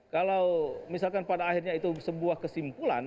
kalau misalkan pada akhirnya itu sebuah kesimpulan